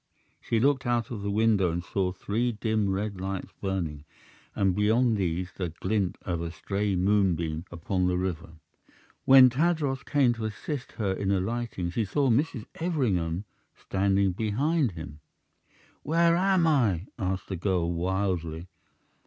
She looked out of the window and saw three dim red lights burning, and beyond these the glint of a stray moonbeam upon the river. When Tadros came to assist her in alighting, she saw Mrs. Everingham standing behind him. "Where am I?" asked the girl, wildly.